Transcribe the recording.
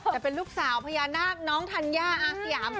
แต่เป็นลูกสาวพญานาคน้องธัญญาอาสยาม